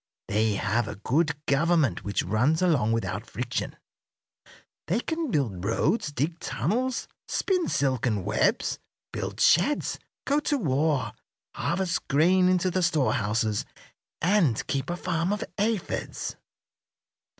They have a good government which runs along without friction. They can build roads, dig tunnels, spin silken webs, build sheds, go to war, harvest grain into the storehouses, and keep a farm of aphids."